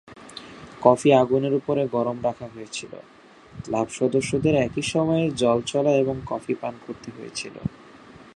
Coffee আগুনের উপরে গরম রাখা হয়েছিল; ক্লাব সদস্যদের একই সময়ে জল চলা এবং কফি পান করতে হয়েছিল।